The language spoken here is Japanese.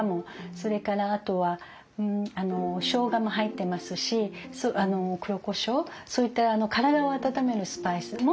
それからあとはしょうがも入ってますし黒こしょうそういった体を温めるスパイス。